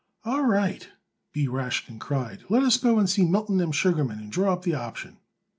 "All right," B. Rashkin cried, "let us go and see Milton M. Sugarman and draw up the option."